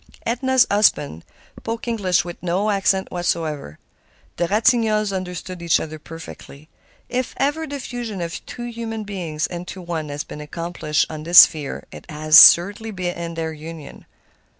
Edna's husband spoke English with no accent whatever. The Ratignolles understood each other perfectly. If ever the fusion of two human beings into one has been accomplished on this sphere it was surely in their union.